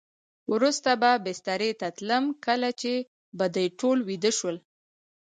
وروسته به بسترې ته تلم، کله چې به دوی ټول ویده شول.